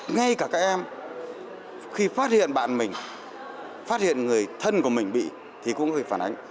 ngay cả các em khi phát hiện bạn mình phát hiện người thân của mình bị thì cũng phải phản ánh